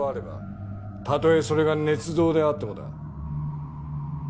たとえそれが捏造であってもだ。